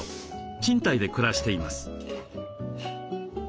賃貸で暮らしています。